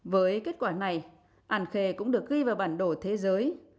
với kết quả này an khê cũng được ghi vào bản đồ thế giới